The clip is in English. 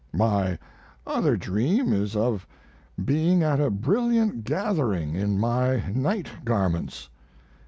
"My other dream is of being at a brilliant gathering in my night garments.